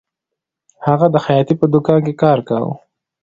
هغه د خیاطۍ په دکان کې کار کاوه